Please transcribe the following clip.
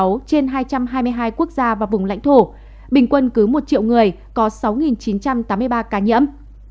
việt nam đứng thứ một mươi năm trên hai trăm hai mươi hai quốc gia và vùng lãnh thổ bình quân cứ một triệu người có sáu chín trăm tám mươi ba ca nhiễm